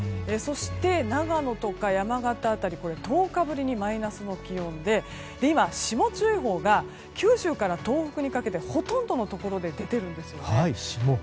そして長野とか山形辺りは１０日ぶりにマイナスの気温で今、霜注意報が九州から東北にかけてほとんどのところで出ているんですよね。